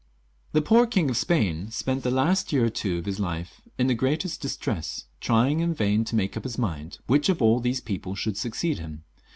The poor King of Spain spent the last year or two of his Ufe in the greatest distress, trying in vain to make up his mijid which of all these people should succeed him.